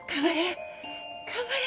頑張れ！